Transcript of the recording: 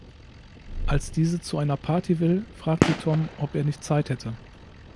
Als diese zu einer Party will, fragt sie Tom, ob er nicht Zeit hätte.